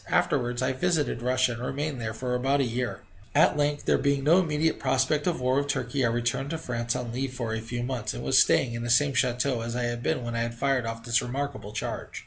Afterwards I visited Russia, and remained there for about a year. At length, there being no immediate prospect of war with Turkey, I returned to France on leave for a few months, and was staying in the same chateau as I had been when I had fired off this remarkable charge.